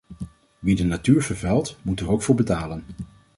Wie de natuur vervuilt, moet er ook voor betalen.